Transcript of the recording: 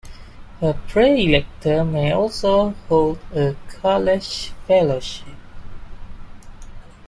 A praelector may also hold a college fellowship.